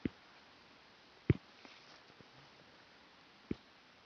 چې ته خو په دې وژنه کې هېڅ ګناه نه لرې .